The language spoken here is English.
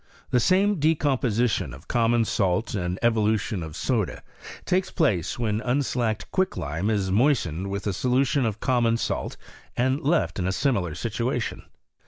The same decomposition of common salt and evo lution of soda takes place when unslacked quicklime is moistened with a solution of common salt, and left in a simitar situation.